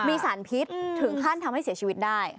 มีสารพิษถึงขั้นทำให้เสียชีวิตได้